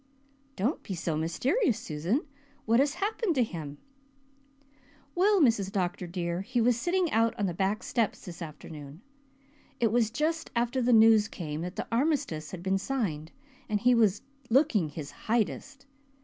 "Don't be so mysterious, Susan. What has happened to him?" "Well, Mrs. Dr. dear, he was sitting out on the back steps this afternoon. It was just after the news came that the Armistice had been signed and he was looking his Hydest.